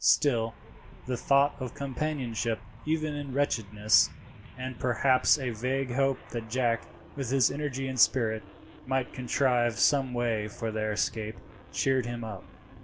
Still the thought of companionship, even in wretchedness, and perhaps a vague hope that Jack, with his energy and spirit, might contrive some way for their escape, cheered him up.